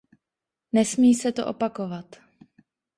Nesmí se to opakovat.